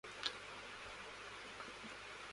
کنیت Abu Khalid اور اسم منسوب سلمی اور واسطی ہے